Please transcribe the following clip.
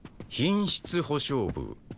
品質保証部。